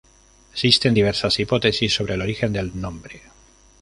Existen diversas hipótesis sobre el origen del nombre.